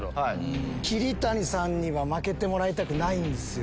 桐谷さんには負けてもらいたくないんですよ。